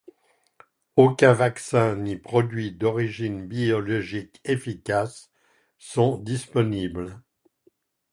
Aucun vaccin ni produits d'origine biologique efficaces sont disponibles.